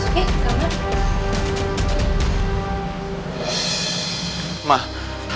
kamu mau masuk ya